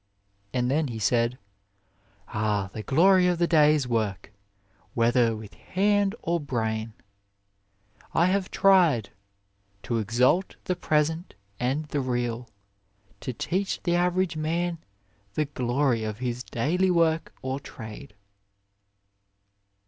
And then he said :" Ah, the glory of the day s work, whether with hand or brain ! I have tried To exalt the present and the real, To teach the average man the glory of his daily work or trade."